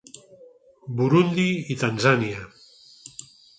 Burundi i Tanzània.